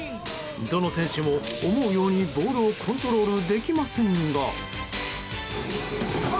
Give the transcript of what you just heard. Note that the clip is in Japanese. どの選手も思うようにボールをコントロールできませんが。